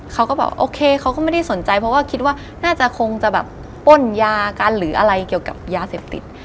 เขาก็บอกโอเคเขาก็ไม่ได้สนใจเพราะว่าคิดว่าน่าจะคงจะแบบป้นยากันหรืออะไรเกี่ยวกับยาเสพติด